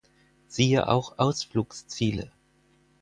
Siehe auch Ausflugsziele